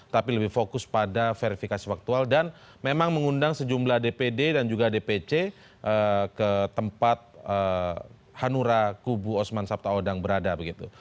tapi lebih fokus pada verifikasi faktual dan memang mengundang sejumlah dpd dan juga dpc ke tempat hanura kubu osman sabtaodang berada begitu